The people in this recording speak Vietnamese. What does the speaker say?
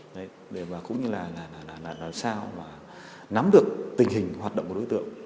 đấy để mà cũng như là làm sao mà nắm được tình hình hoạt động của đối tượng